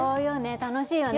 楽しいよね